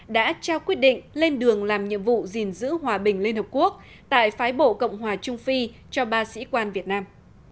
đã trao quyết định lên đường làm nhiệm vụ gìn giữ hòa bình liên hợp quốc tại phái bộ cộng hòa trung phi cho ba sĩ quan việt nam